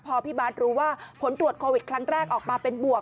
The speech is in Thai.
พอพี่บาทรู้ว่าผลตรวจโควิดครั้งแรกออกมาเป็นบวก